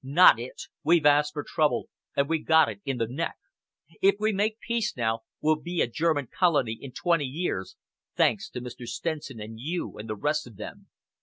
Not it! We asked for trouble, and we got it in the neck. If we make peace now, we'll be a German colony in twenty years, thanks to Mr. Stenson and you and the rest of them.